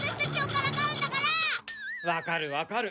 わかるわかる。